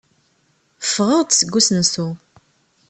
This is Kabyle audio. Ffɣeɣ-d seg usensu.